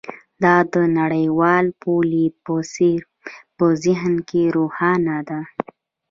دا د نړیوالې پولې په څیر په ذهن کې روښانه ده